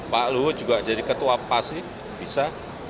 pak luhut juga jadi ketua pasif bisa